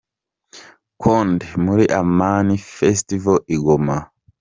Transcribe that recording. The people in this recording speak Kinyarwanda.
Kode muri Amani Festival i Goma.